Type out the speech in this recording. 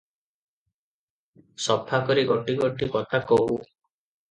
ସଫା କରି ଗୋଟି ଗୋଟି କଥା କହୁ ।